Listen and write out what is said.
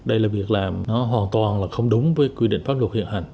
đây là việc làm nó hoàn toàn là không đúng với quy định pháp luật hiện hành